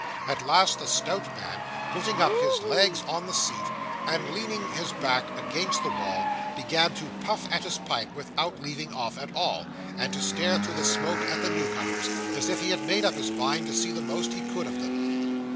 At last the stout man, putting up his legs on the seat, and leaning his back against the wall, began to puff at his pipe without leaving off at all, and to stare through the smoke at the new comers, as if he had made up his mind to see the most he could of them.